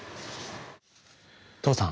父さん。